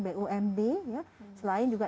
bumd selain juga